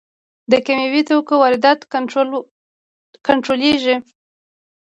د کیمیاوي توکو واردات کنټرولیږي؟